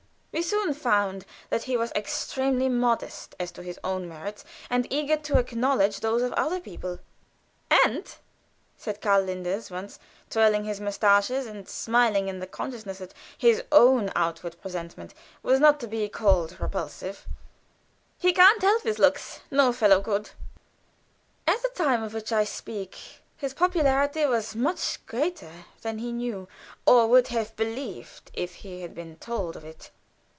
We soon found that he was extremely modest as to his own merits and eager to acknowledge those of other people. "And," said Karl Linders once, twirling his mustache, and smiling in the consciousness that his own outward presentment was not to be called repulsive, "he can't help his looks; no fellow can." At the time of which I speak, his popularity was much greater than he knew, or would have believed if he had been told of it.